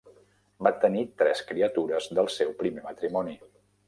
Va tenir tres criatures del seu primer matrimoni.